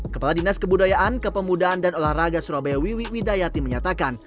kepala dinas kebudayaan kepemudaan dan olahraga surabaya wiwi widayati menyatakan